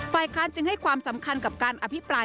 ฝ่ายค้านจึงให้ความสำคัญกับการอภิปราย